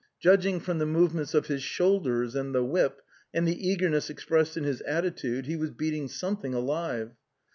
Judg ing from the movements of his shoulders and the whip, and the eagerness expressed in his attitude, he was beating something alive.